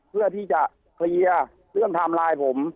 เพื่อที่จะเคลียร์เรื่องไทม์ไลน์ผม